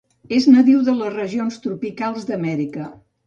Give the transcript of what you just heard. És nadiu de les regions tropicals d'Amèrica.